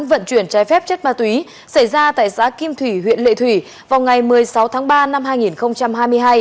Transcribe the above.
vận chuyển trái phép chất ma túy xảy ra tại xã kim thủy huyện lệ thủy vào ngày một mươi sáu tháng ba năm hai nghìn hai mươi hai